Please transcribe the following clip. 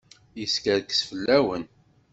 Teskerkes fell-awen.